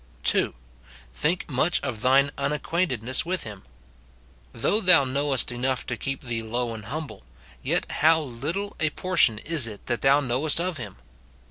2. Think much of thine unacquaintedness with him. Though thou knoAvest enough to keep thee low and humble, yet how little a portion is it that thou knowest of him